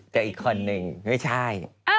แต่อีกคนนึงไม่ใช่